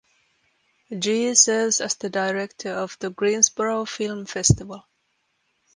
Gee serves as the director of the Greensboro Film Festival.